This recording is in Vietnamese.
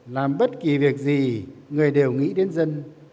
làm bất kỳ việc gì người đều nghĩ đến dân